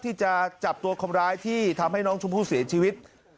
ที่จะจับตัวคนร้ายที่ทำให้น้องชมพู่เสียชีวิต